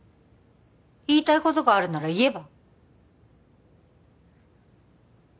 言いたいことがあるなら言えば？